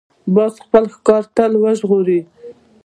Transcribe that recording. باز خپل ښکار تل وژغوري